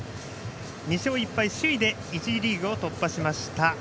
２勝１敗、首位で１次リーグを突破しました。